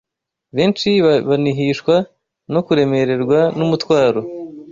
Benshi banihishwa no kuremererwa n’umutwaro